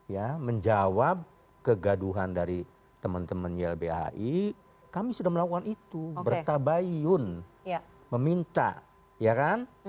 ya menjawab kegaduhan dari teman teman ylbhi kami sudah melakukan itu bertabayun meminta ya kan